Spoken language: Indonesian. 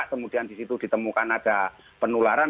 kemudian di situ ditemukan ada penularan